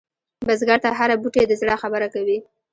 بزګر ته هره بوټۍ د زړه خبره کوي